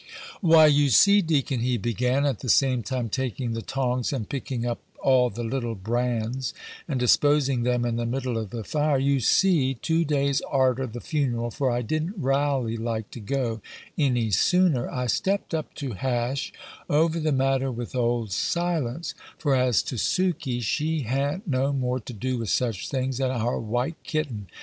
"Why, you see, deacon," he began, at the same time taking the tongs, and picking up all the little brands, and disposing them in the middle of the fire, "you see, two days arter the funeral, (for I didn't railly like to go any sooner,) I stepped up to hash over the matter with old Silence; for as to Sukey, she ha'n't no more to do with such things than our white kitten.